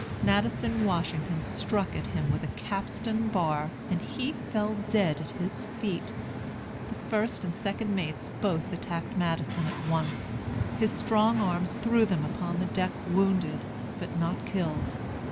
Madison Washington struck at him with a capstan bar, and he fell dead at his feet. The first and second mates both attacked Madison at once. His strong arms threw them upon the deck wounded, but not killed.